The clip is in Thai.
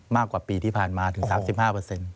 มากกว่าปีที่ผ่านมาถึง๓๕